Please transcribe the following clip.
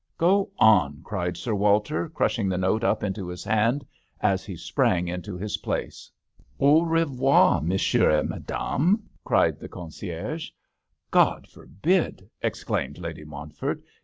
" Go on !" cried Sir Walter, crushing the note up into his hand as he sprang into his place. Au revoir Monsieur et Ma dame" cried the concierge. " God forbid !" exclaimed Lady Montford.